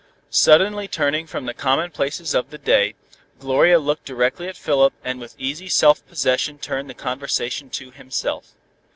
Suddenly turning from the commonplaces of the day, Gloria looked directly at Philip, and with easy self possession turned the conversation to himself.